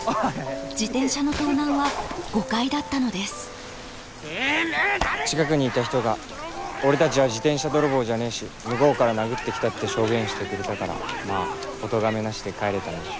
自転車の盗難は誤解だったのですてめぇ近くにいた人が俺たちは自転車泥棒じゃねえし向こうから殴って来たって証言してくれたからまぁおとがめなしで帰れたんだ。